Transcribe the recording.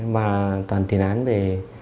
và toàn tiền án về